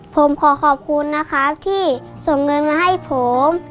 ผมขอขอบคุณนะครับที่ส่งเงินมาให้ผม